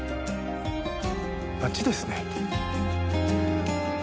あっちですね。